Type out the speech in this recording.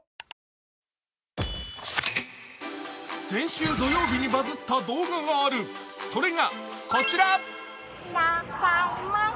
先週土曜日にバズった動画がある、それがこちら。